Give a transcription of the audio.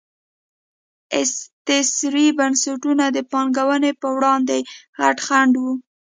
استثري بنسټونه د پانګونې پر وړاندې غټ خنډ وو.